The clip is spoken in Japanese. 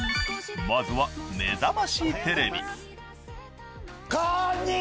［まずは『めざましテレビ』］